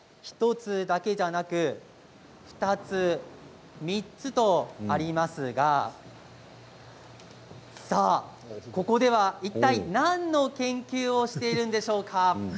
１つだけでなく、２つ、３つとありますがここではいったい、何の研究をしているんでしょうか？